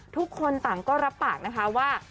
ทุกคนต่างก็รับปากนะคะว่า